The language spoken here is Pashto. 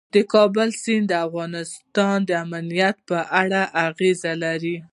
د کابل سیند د افغانستان د امنیت په اړه اغېز لري.